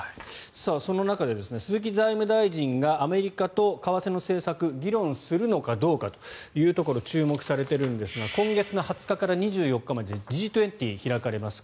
そんな中で鈴木財務大臣がアメリカと為替の政策議論するのかどうかというところが注目されているんですが今月２０日から２４日までＧ２０が開かれます。